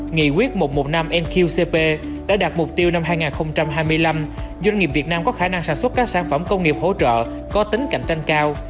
nghị quyết một trăm một mươi năm nqcp đã đạt mục tiêu năm hai nghìn hai mươi năm doanh nghiệp việt nam có khả năng sản xuất các sản phẩm công nghiệp hỗ trợ có tính cạnh tranh cao